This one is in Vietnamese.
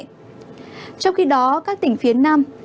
trong khi đó các tỉnh phía nam